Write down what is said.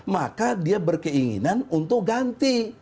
maka dia berkeinginan untuk ganti